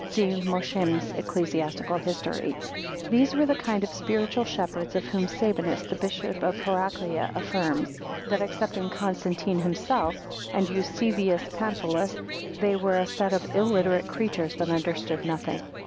(See Mosheim's Eccle. Hist.) These were the kind of spiritual shepherds of whom Sabinus, the Bishop Heraclea affirms, that excepting Constantine himself, and Eusebius Pamphilus, they "were a set of illiterate creatures, that understood nothing."